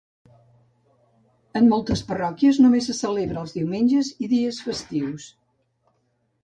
En moltes parròquies només se celebra els diumenges i dies festius.